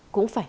cũng phải hết